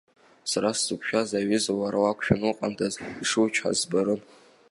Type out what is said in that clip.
Сара сзықәшәаз аҩыза уара уақәшәаны уҟандаз, ишучҳауаз збарын!